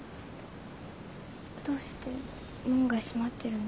どうして門が閉まってるの？